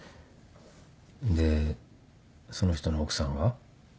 でその人の奥さんが？